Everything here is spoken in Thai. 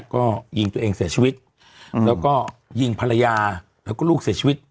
ก็ยิงตัวเองเสียชีวิตแล้วก็ยิงภรรยาแล้วก็ลูกเสียชีวิต